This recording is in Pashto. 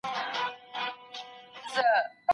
د کډوالو په وړاندي باید انساني چلند وسي.